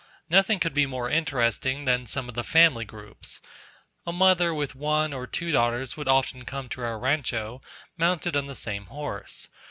Nothing could be more interesting than some of the family groups. A mother with one or two daughters would often come to our rancho, mounted on the same horse.